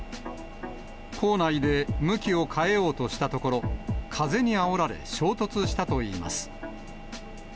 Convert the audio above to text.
港内で向きを変えようとしたところ、風にあおられ衝突したといいます。